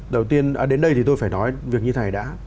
đầu tiên đến đây thì tôi phải nói việc như thế này đã